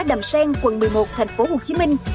đàm sen quận một mươi một tp hcm